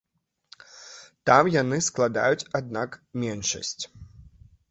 Там яны складаюць, аднак, меншасць.